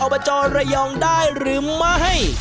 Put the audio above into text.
บจระยองได้หรือไม่